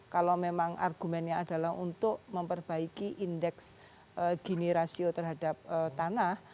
kalau memang argumennya adalah untuk memperbaiki indeks gini rasio terhadap tanah